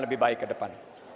lebih baik ke depan